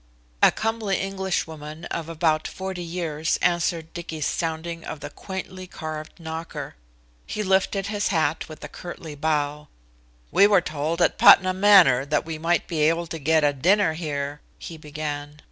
A comely Englishwoman of about 40 years answered Dicky's sounding of the quaintly carved knocker. He lifted his hat with a curtly bow. "We were told at Putnam Manor that we might be able to get dinner here," he began.